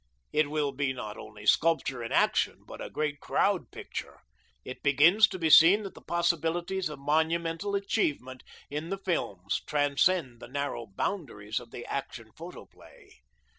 It will be not only sculpture in action, but a great Crowd Picture. It begins to be seen that the possibilities of monumental achievement in the films transcend the narrow boundaries of the Action Photoplay.